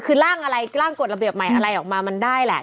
คือร่างอะไรร่างกฎระเบียบใหม่อะไรออกมามันได้แหละ